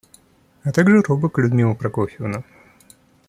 А также робок, Людмила Прокофьевна.